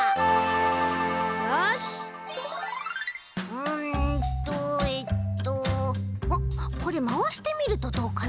うんとえっとおっこれまわしてみるとどうかな？